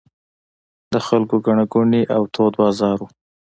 د خلکو ګڼه ګوڼې او تود بازار و.